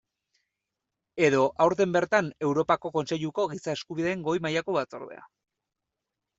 Edo aurten bertan Europako Kontseiluko Giza Eskubideen Goi mailako Batzordea.